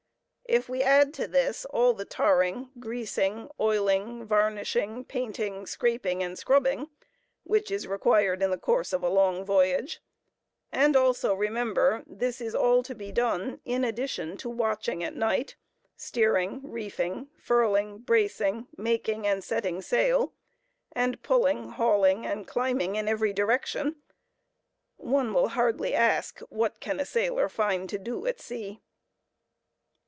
If we add to this all the tarring, greasing, oiling, varnishing, painting, scraping, and scrubbing which is required in the course of a long voyage, and also remember this is all to be done in addition to watching at night, steering, reefing, furling, bracing, making and setting sail, and pulling, hauling, and climbing in every direction, one will hardly ask, "What can a sailor find to do at sea?"